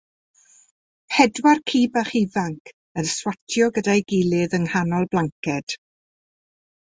pedwar ci bach ifanc yn swatio gyda'i gilydd yng nghanol blanced.